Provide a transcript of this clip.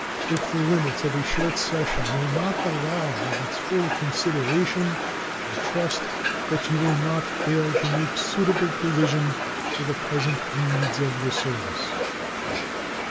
If the limits of a short session will not allow of its full consideration, I trust that you will not fail to make suitable provision for the present needs of the service.